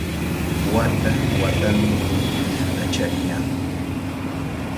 Wata-watami wikuñata chariyan.